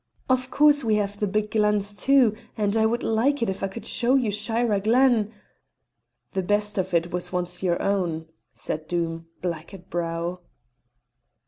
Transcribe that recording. Of course, we have the big glens, too, and I would like it if I could show you Shira Glen " "The best of it was once our own," said Doom, black at brow.